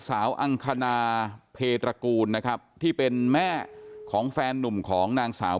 อังคณาเพตระกูลนะครับที่เป็นแม่ของแฟนนุ่มของนางสาว